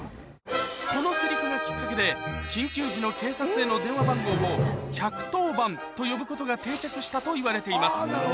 このセリフがきっかけで緊急時の警察への電話番号を「ひゃくとおばん」と呼ぶことが定着したといわれています